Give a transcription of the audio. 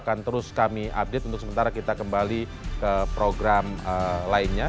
dan semoga kami bisa memberikan update untuk sementara kita kembali ke program lainnya